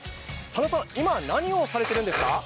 佐野さん、今何をされているんですか？